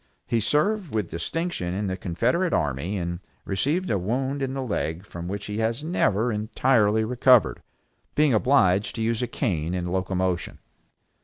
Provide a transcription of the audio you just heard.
He served with distinction in the confederate army, and received a wound in the leg from which he has never entirely recovered, being obliged to use a cane in locomotion.